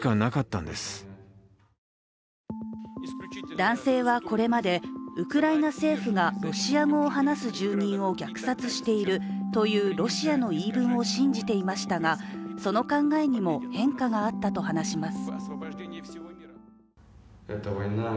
男性はこれまでウクライナ政府がロシア語を話す住人を虐殺しているというロシアの言い分を信じていましたがその考えにも変化があったと話します。